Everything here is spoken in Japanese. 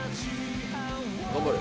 頑張れ。